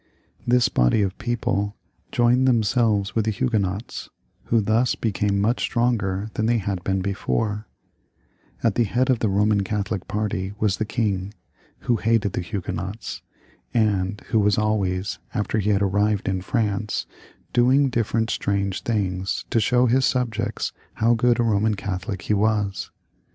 This body of people joined them selves with the Huguenots, who thus became much stronger than they had been befora At the head of the Boman Catholic party was the king, who hated the Huguenots, and who was always, after he had arrived in France, doing different strange things to show his subjects how good a Boman Catholic he was.